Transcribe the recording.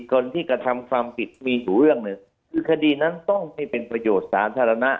คนที่กระทำความผิดมีอยู่เรื่องหนึ่งคือคดีนั้นต้องให้เป็นประโยชน์สาธารณะ